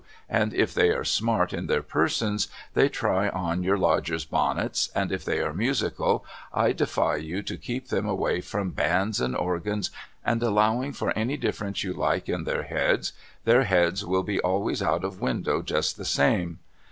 LIRRIPER'S LODGINGS if they are smart in their persons they try on your Lodgers' bonnets and if they are musical I defy you to keep them away from bands and organs, and allowing for any difference you like in their heads their heads will be always out of window just the same.